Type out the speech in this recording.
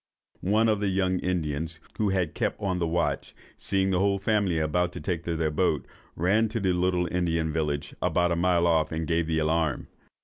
One of the young Indians, who had kept on the watch, seeing the whole family about to take their boat, ran to the little Indian village, about a mile off, and gave the alarm.